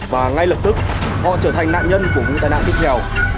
và ngay lập tức họ trở thành nạn nhân của vụ tai nạn tiếp theo